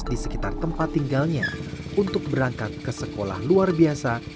di sekitar tempat tinggalnya untuk berangkat ke sekolah luar biasa